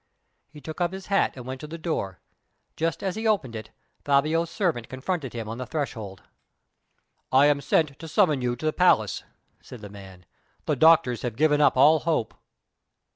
He took up his hat and went to the door. Just as he opened it, Fabio's servant confronted him on the thresh old. "I am sent to summon you to the palace," said the man. "The doctors have given up all hope."